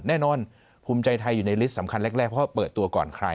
แน่นอนภูมิใจไทยอยู่ในลิสต์สำคัญแรกเพราะเปิดตัวก่อนใคร